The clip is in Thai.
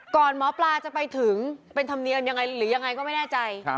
หมอปลาจะไปถึงเป็นธรรมเนียมยังไงหรือยังไงก็ไม่แน่ใจ